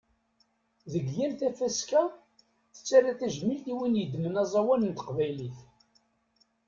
Deg yal tafaska, tettara tajmilt i win yeddmen aẓawan n teqbaylit.